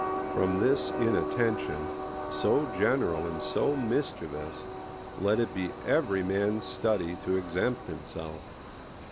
From this inattention, so general and so mischievous, let it be every man's study to exempt himself.